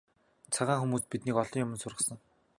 Цагаан хүмүүс биднийг олон юманд сургасан.